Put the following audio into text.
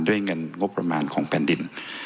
เงินงบประมาณของแผ่นดิน